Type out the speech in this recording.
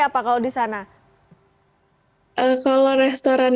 masak sendiri atau pergi ke restaurant